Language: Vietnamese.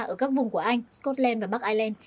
ở các vùng của anh scotland và bắc ireland